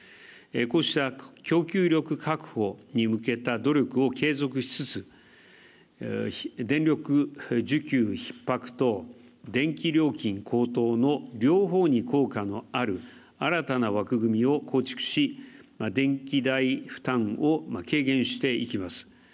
こうした供給力確保に向けた努力を継続しつつ、電力需給ひっ迫と電気料金高騰の両方に効果のある新たな枠組みを構築し、電気代負担を軽減していきます。